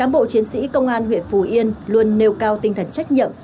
bộ phòng chống dịch phú yên luôn nêu cao tinh thần trách nhiệm